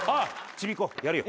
ちびっ子やるよ。